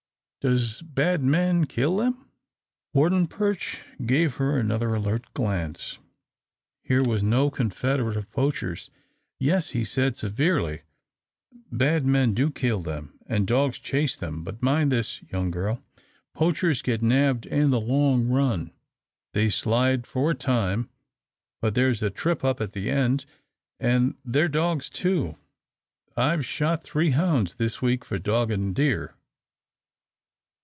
Does bad men kill them?" Warden Perch gave her another alert glance. Here was no confederate of poachers. "Yes," he said, severely, "bad men do kill them, and dogs chase them, but mind this, young girl poachers get nabbed in the long run. They slide for a time, but there's a trip up at the end. And their dogs, too I've shot three hounds this week for dogging deer."